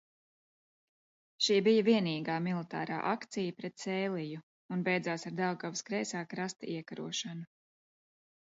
Šī bija vienīgā militārā akcija pret Sēliju un beidzās ar Daugavas kreisā krasta iekarošanu.